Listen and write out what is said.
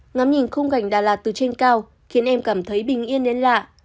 ngắm nhìn khung cảnh đà lạt từ trên cao khiến em cảm thấy bình yên đến lạ